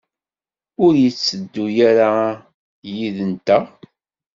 Ur yetteddu ara yid-nteɣ?